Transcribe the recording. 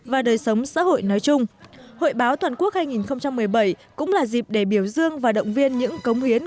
và đời sống xã hội nói chung hội báo toàn quốc hai nghìn một mươi bảy cũng là dịp để biểu dương và động viên những cống hiến